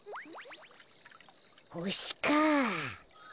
ほしかあ。